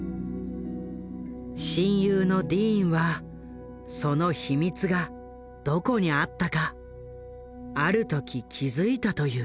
親友のディーンはその秘密がどこにあったかある時気付いたという。